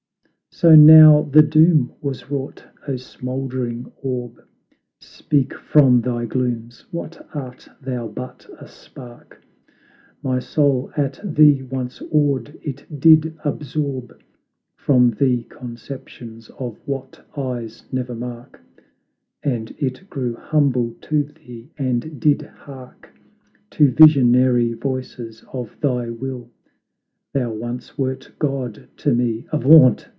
So now the doom was wrought; O, smouldering orb, Speak from thy glooms, what art thou but a spark? My soul at thee once awed, it did absorb From thee conceptions of what eyes ne'er mark; And it grew humble to thee, and did hark To visionary voices of thy will; Thou once wert God to me; avaunt!